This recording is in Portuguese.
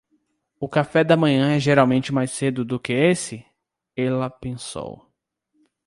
O café da manhã é geralmente mais cedo do que esse?, ela pensou.